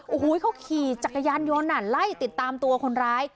โอ้โหเขาขี่จักรยานยนต์ไล่ติดตามตัวคนร้าย